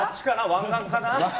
湾岸かな？